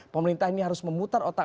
pemerintah ini harus memutar otak